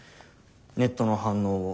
ネットの反応を。